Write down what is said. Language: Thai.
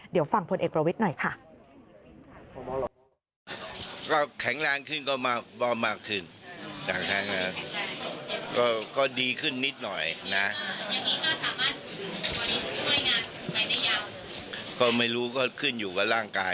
เดี๋ยวฟังพลเอกประวิทย์หน่อยค่ะ